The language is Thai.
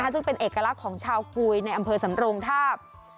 ซึ่งเป็นเอกลักษณ์ของชาวกุยในอำเภอสำรงทาบ